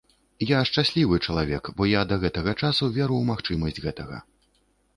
Я шчаслівы чалавек, бо я да гэтага часу веру ў магчымасць гэтага.